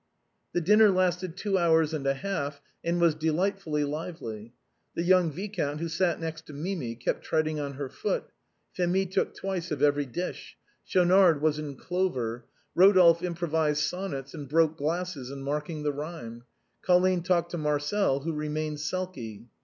The dinner lasted two hours and a half, and was delight fully lively. The young viscount, who sat next to Mimi, kept treading on her foot. Phémie took twice of every dish. Schaunard was in clover. Eodolphe improvised sonnets and broke glasses in marking the rhythm. Colline talked to Marcel, who remained sulky.